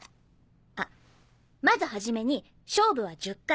あっまず初めに勝負は１０回。